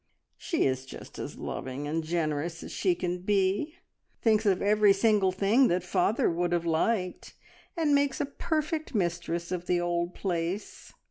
"She is just as loving and generous as she can be; thinks of every single thing that father would have liked, and makes a perfect mistress of the old place.